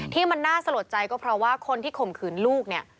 ที่มันน่าสะลดใจก็เพราะว่าคนที่ข่มขืนลูกเนี่ย